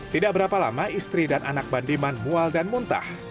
tidak berapa lama istri dan anak bandiman mual dan muntah